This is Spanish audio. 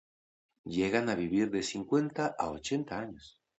Llegan a vivir de cincuenta a ochenta años.